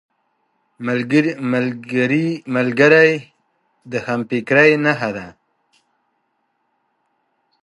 ملګری د همفکرۍ نښه ده